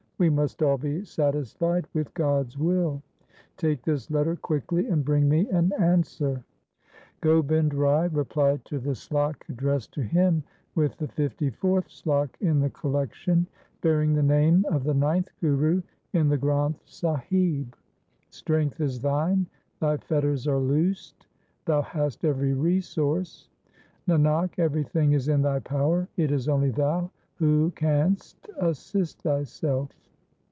We must all be satisfied with God's will. Take this letter quickly, and bring me an answer.' Gobind Rai replied to the slok addressed to him with the fifty fourth slok in the collection bearing the name of the ninth Guru in the Granth Sahib :— Strength is thine ; thy fetters are loosed ; thou hast every resource ; Nanak, everything is in thy power ; it is only thou who canst assist thyself.